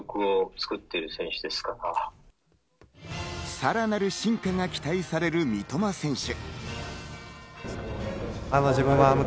さらなる進化が期待される三笘選手。